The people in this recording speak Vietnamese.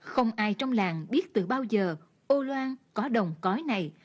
không ai trong làng biết từ bao giờ ô loan có đồng cói này